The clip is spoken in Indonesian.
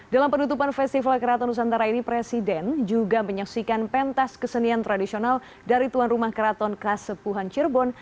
dalam penutupan festival keraton nusantara ini presiden juga menyaksikan pentas kesenian tradisional dari tuan rumah keraton kasepuhan cirebon